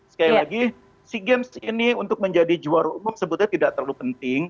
sekali lagi sea games ini untuk menjadi juara umum sebutnya tidak terlalu penting